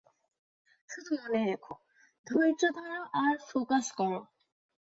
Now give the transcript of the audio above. শুধু মনে রেখ, ধৈর্য ধরো আর ফোকাস করো।